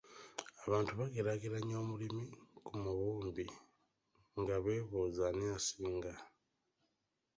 "Abantu bageraageranya omulimi ku mubumbi, nga beebuuza ani asinga."